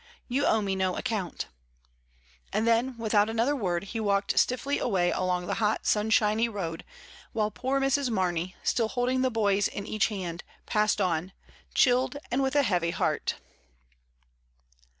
You . owe me no account;" and then, without another word, he walked stiffly away along the hot sunshiny road, while poor Mrs. Mamey, still holding the boys in each hand, passed on, chilled and with a heavy heart.